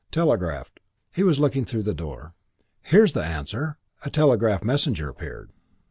Telegraphed." He was looking through the door. "Here's the answer." A telegraph messenger appeared.